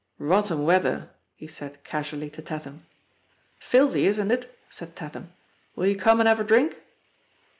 "Rotten weather !" he said casually to Tatham. "Filthy, isn't it?" said Tatham. "WiU you come and have a drink?"